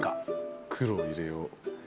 黒入れよう。